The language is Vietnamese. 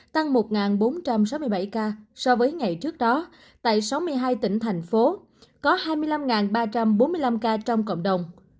tăng một bốn trăm sáu mươi bảy ca so với ngày trước đó tại sáu mươi hai tỉnh thành phố có hai mươi năm ba trăm bốn mươi năm ca trong cộng đồng